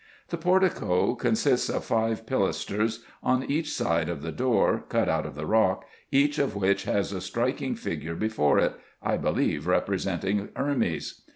The portico consists of five pilasters on each side of the door, cut out of the rock, each of which has a striking figure before it, I believe representing Hermes.